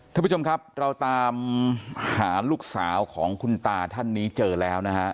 ท่านผู้ชมครับเราตามหาลูกสาวของคุณตาท่านนี้เจอแล้วนะฮะ